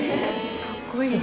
かっこいい。